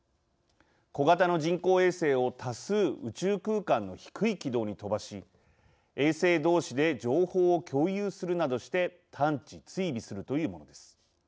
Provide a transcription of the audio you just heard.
小型の人工衛星を多数宇宙空間の低い軌道に飛ばし衛星どうしで情報を共有するなどして探知・追尾するというものです。